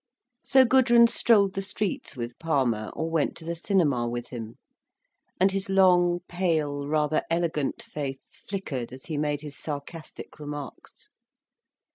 So Gudrun strolled the streets with Palmer, or went to the cinema with him. And his long, pale, rather elegant face flickered as he made his sarcastic remarks.